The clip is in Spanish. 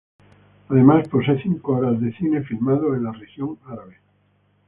Además, posee cinco horas de cine filmado en la región árabe.